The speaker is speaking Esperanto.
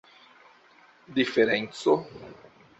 diferenco